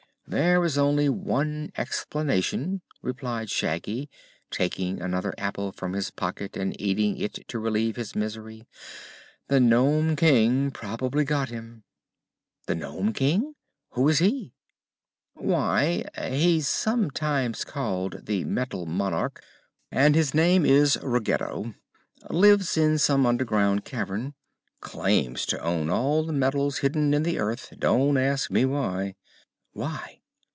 "There is only one explanation," replied Shaggy, taking another apple from his pocket and eating it to relieve his misery. "The Nome King probably got him." "The Nome King! Who is he?" "Why, he's sometimes called the Metal Monarch, and his name is Ruggedo. Lives in some underground cavern. Claims to own all the metals hidden in the earth. Don't ask me why." "Why?"